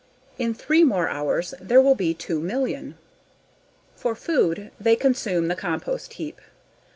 In three more hours there will be two million. For food, they consume the compost heap.